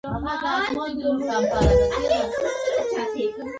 _مرکه ده.